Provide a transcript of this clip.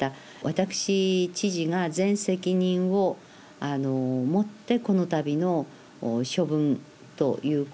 私知事が全責任をもってこの度の処分ということをさせて頂きました。